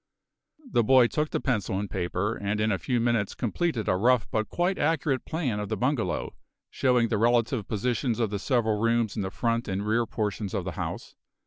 The boy took the pencil and paper, and in a few minutes completed a rough but quite accurate plan of the bungalow, showing the relative positions of the several rooms in the front and rear portions of the house.